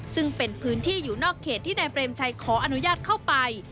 ซึ่งเป็นพื้นที่อยู่นอกเขตที่นายเปรมชัยขออนุญาตเข้าไป